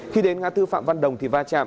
khi đến ngã tư phạm văn đồng thì va chạm